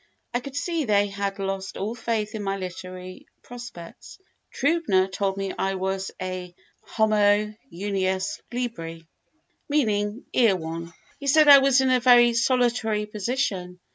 I could see they had lost all faith in my literary prospects. Trübner told me I was a homo unius libri, meaning Erewhon. He said I was in a very solitary position.